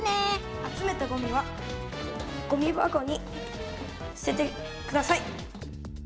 集めたごみはごみ箱に捨ててください。